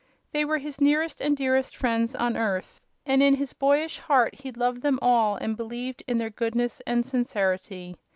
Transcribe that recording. They were his nearest and dearest friends on earth, and in his boyish heart he loved them all and believed in their goodness and sincerity.